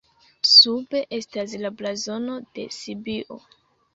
Sube estas la blazono de Sibio.